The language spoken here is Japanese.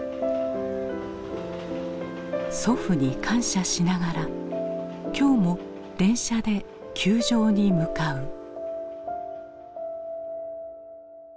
祖父に感謝しながら今日も電車で球場に向かう。